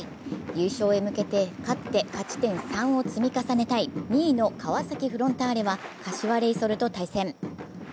優勝へ向けて勝って勝ち点３を積み重ねたい２位の川崎フロンターレは柏レイソルと対戦。